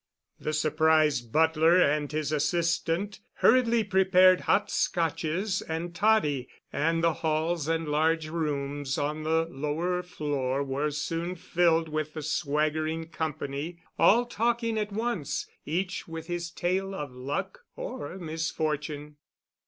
The surprised butler and his assistant hurriedly prepared hot Scotches and toddy, and the halls and large rooms on the lower floor were soon filled with the swaggering company—all talking at once, each with his tale of luck or misfortune.